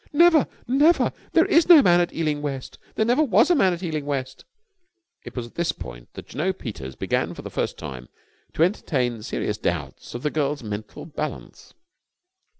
"Never! Never! There is no man at Ealing West! There never was a man at Ealing West!" It was at this point that Jno. Peters began for the first time to entertain serious doubts of the girl's mental balance.